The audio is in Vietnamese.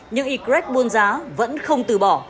nhưng y buôn giá vẫn không từ bỏ